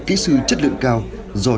kỹ sư chất lượng cao do